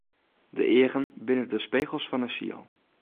De eagen binne de spegels fan 'e siel.